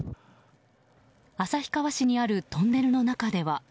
旭川市にあるトンネルの中では。